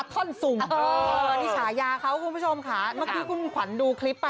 จะได้หน้าเท้ากันนะค่ะ